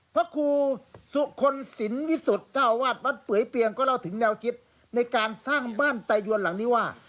พระครูสุคลสินวิสุทธิ์เจ้าอาวาสวัดเปื่อยเปียงก็เล่าถึงแนวคิดในการสร้างบ้านตายวนหลังนี้ว่า